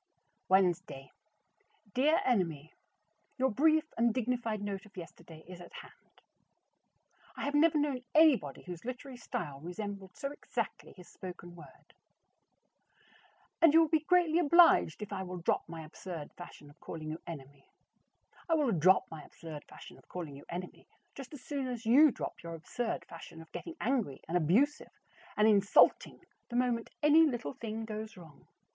Wednesday. Dear Enemy: Your brief and dignified note of yesterday is at hand. I have never known anybody whose literary style resembled so exactly his spoken word. And you will be greatly obliged if I will drop my absurd fashion of calling you "Enemy"? I will drop my absurd fashion of calling you Enemy just as soon as you drop your absurd fashion of getting angry and abusive and insulting the moment any little thing goes wrong.